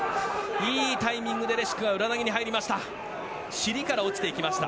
いいタイミングでレシュクが裏投げに入りました。